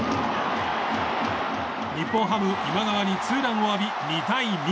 日本ハム、今川にツーランを浴び２対２。